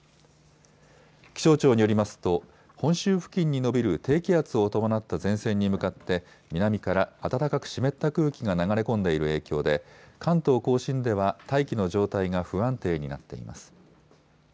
気象庁によりますと本州付近に延びる低気圧を伴った前線に向かって南から暖かく湿った空気が流れ込んでいる影響で関東甲信では大気の状態が不安定になっています。